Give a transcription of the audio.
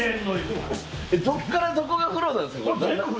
どっからどこが風呂なんですか？